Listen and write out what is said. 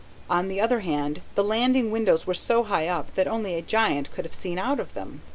On the other hand the landing windows were so high up that only a giant could have seen out of them.